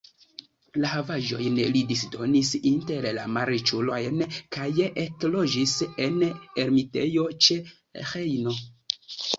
La havaĵojn li disdonis inter la malriĉulojn kaj ekloĝis en ermitejo ĉe Rejno.